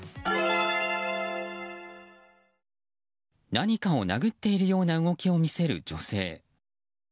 何かを殴っているような動きを見せる女性。